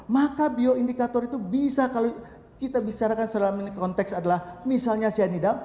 maka bioindikator itu bisa kalau kita bicarakan selama ini konteks adalah misalnya cyanida